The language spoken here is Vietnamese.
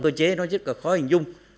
cơ chế nó rất là khó hình dung